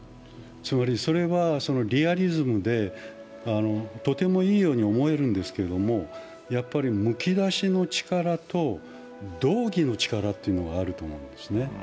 つまりそれは、リアリズムでとてもいいように思えるんですけれどもやっぱりむき出しの力と、同義の力というのがあると思うんですね。